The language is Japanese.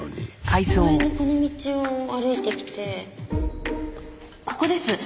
公園のこの道を歩いてきてここです！